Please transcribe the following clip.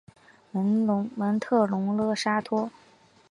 蒙特龙勒沙托。